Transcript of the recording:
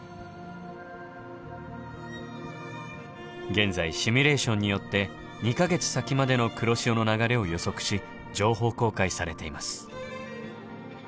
現在シミュレーションによって２か月先までの黒潮の流れを予測し情報公開されています。